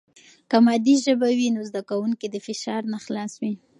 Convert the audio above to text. که مادي ژبه وي، نو زده کوونکي د فشار نه خلاص وي.